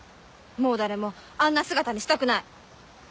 もう誰もあんな姿にしたくない。